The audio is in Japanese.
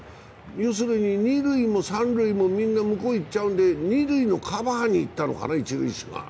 要するに二塁も三塁もみんな向こうに行っちゃうんで二塁のカバーに行ったのかな、一塁手が。